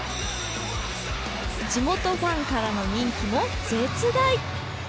地元ファンからの人気も絶大！